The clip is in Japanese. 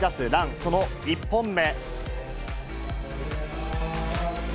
その１本目。